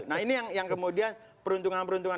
nah ini yang kemudian peruntungan peruntungan